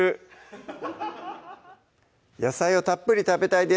野菜をたっぷり食べたいです